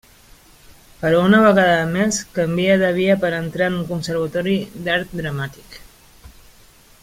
Però una vegada més canvia de via per entrar en un conservatori d'art dramàtic.